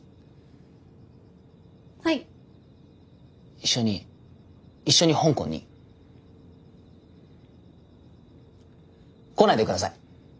一緒に一緒に香港に。来ないで下さい！